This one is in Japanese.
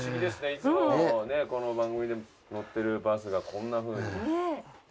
いつもこの番組で乗ってるバスがこんなふうに。